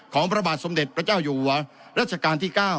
พระบาทสมเด็จพระเจ้าอยู่หัวรัชกาลที่๙